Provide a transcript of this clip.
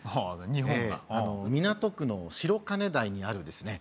日本が港区の白金台にあるですね